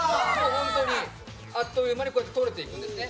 ホントにあっという間にこうやって取れていくんですね